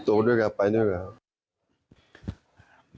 โตด้วยกันไปด้วยกัน